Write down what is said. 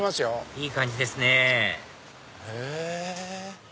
いい感じですね